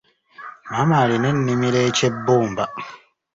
Maama alina ennimiro e Kyebbumba.